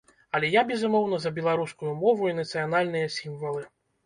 Але я, безумоўна, за беларускую мову і нацыянальныя сімвалы.